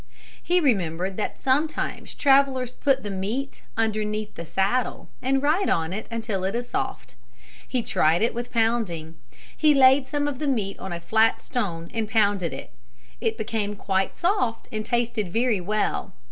He remembered that sometimes travelers put the meat underneath the saddle and ride on it until it is soft. He tried it with pounding. He laid some of the meat on a flat stone and pounded it. It became quite soft and tasted very well.